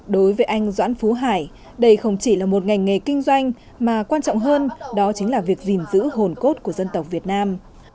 đối với anh doãn phú hải đây không chỉ là một ngành nghề kinh doanh mà quan trọng hơn đó chính là việc gìn giữ hồn cốt của dân tộc việt nam